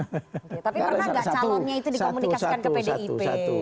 tapi pernah nggak calonnya itu dikomunikasikan ke pdip